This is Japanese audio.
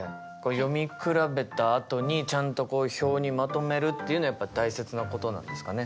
読み比べたあとにちゃんとこういう表にまとめるっていうのはやっぱ大切なことなんですかね？